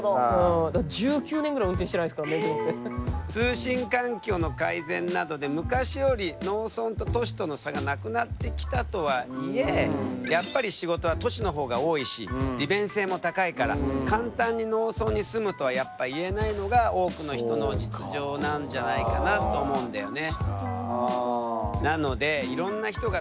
通信環境の改善などで昔より農村と都市との差がなくなってきたとはいえやっぱり仕事は都市の方が多いし利便性も高いから簡単に農村に住むとはやっぱ言えないのが多くの人の実情なんじゃないかなと思うんだよね。